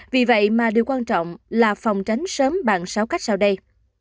vì vậy mà điều quan trọng là phòng tránh sớm bằng sáu cách sau đây